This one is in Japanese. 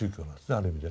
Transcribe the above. ある意味でね。